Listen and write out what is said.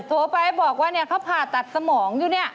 โทรไปบอกว่าเขาผ่าตัดสมองอยู่นี่